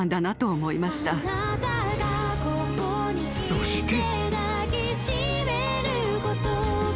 ［そして］